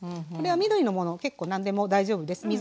これは緑のもの結構何でも大丈夫です。